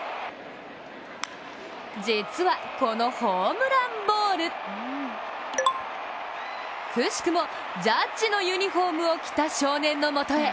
実はこのホームランボール、くしくもジャッジのユニフォームを着た少年のもとへ。